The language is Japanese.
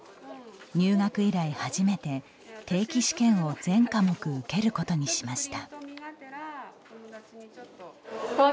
入学以来初めて、定期試験を全科目、受けることにしました。